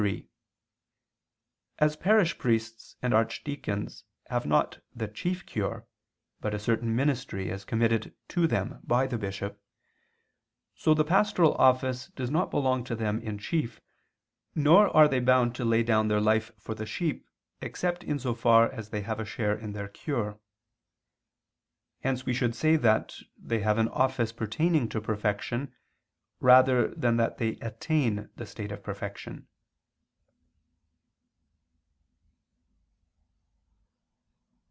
3: As parish priests and archdeacons have not the chief cure, but a certain ministry as committed to them by the bishop, so the pastoral office does not belong to them in chief, nor are they bound to lay down their life for the sheep, except in so far as they have a share in their cure. Hence we should say that they have an office pertaining to perfection rather than that they attain the state of perfection.